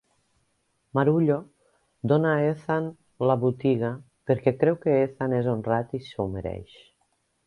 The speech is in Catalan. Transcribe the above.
Marullo dona a Ethan la botiga perquè creu que Ethan és honrat i s'ho mereix.